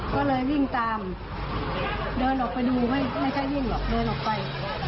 ก็เลยวิ่งตามเดินออกไปดูไม่ค่อยวิ่งหรอกเดินออกไป